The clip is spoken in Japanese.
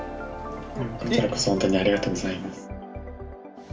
こちらこそ本当にありがとうございます。